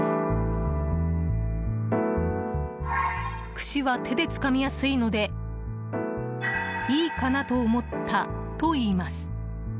串は手でつかみやすいのでいいかなと思ったといいます。